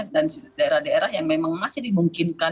dan daerah daerah yang memang masih dimungkinkan